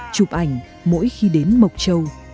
chụp ảnh mỗi khi đến mộc châu